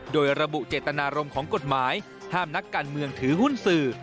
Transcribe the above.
โดยระบุเจตนารมณ์ของกฎหมายห้ามนักการเมืองถือหุ้นสื่อ